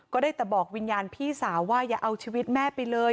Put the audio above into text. ก็ได้แต่บอกวิญญาณพี่สาวว่าอย่าเอาชีวิตแม่ไปเลย